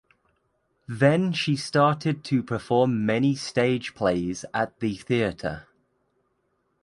Then she started to perform many stage plays at the theater.